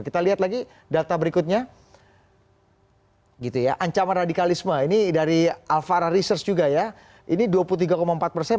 kita lihat lagi data berikutnya gitu ya ancaman radikalisme ini dari alfara research juga ya ini dua puluh tiga empat persen